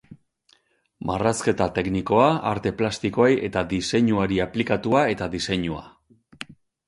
Marrazketa Teknikoa Arte Plastikoei eta Diseinuari Aplikatua eta Diseinua.